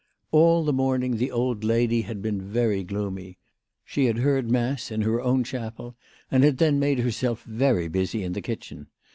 All the morning the old lady had been very gloomy. She had heard mass in her own chapel, and had then made her self very busy in the kitchen.